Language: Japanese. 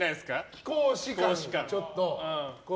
貴公子感。